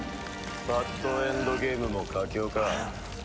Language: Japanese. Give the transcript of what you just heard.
バッドエンドゲームも佳境か。